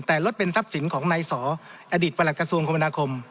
แต่รถเป็นทรัพย์สินของนายสออดีตประหลักกระทรวงคมนาคม